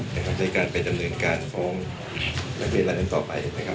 ในการไปดำเนินการฟ้องนักเรียนต่อไปนะครับ